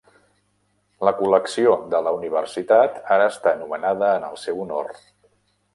La col·lecció de la Universitat ara està nomenada en el seu honor.